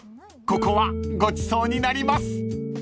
ここはごちそうになります］